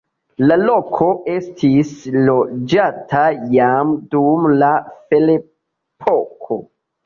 La loko estis loĝata jam dum la ferepoko.